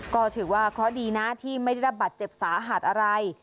ก็ถือว่าเคราะห์ดีนะที่ไม่ได้รับบัตรเจ็บสาหัสอะไร